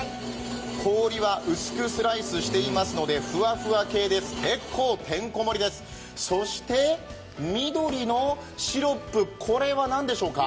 氷は薄くスライスしていますのでふわふわ系で、結構てんこ盛りですそして緑のシロップ、これは何でしょうか？